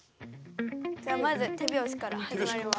じゃあまず手拍子から始まります。